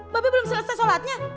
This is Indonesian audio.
bapak belum selesai sholatnya